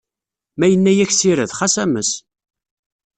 Ma yenna-yak sired, ɣas ames!